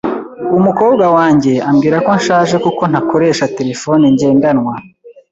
Umukobwa wanjye ambwira ko nshaje kuko ntakoresha terefone ngendanwa .